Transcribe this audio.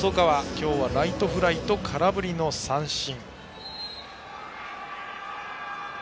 今日はライトフライと空振り三振。